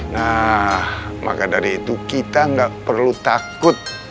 nah maka dari itu kita nggak perlu takut